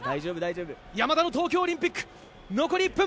山田の東京オリンピック残り１分！